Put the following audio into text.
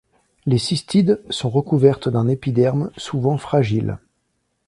Les cystides sont recouvertes d'un épiderme, souvent fragile.